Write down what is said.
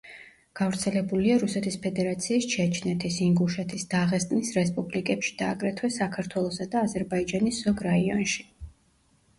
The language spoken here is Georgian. გავრცელებულია რუსეთის ფედერაციის ჩეჩნეთის, ინგუშეთის, დაღესტნის რესპუბლიკებში და აგრეთვე საქართველოსა და აზერბაიჯანის ზოგ რაიონში.